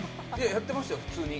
やってましたよ、普通に。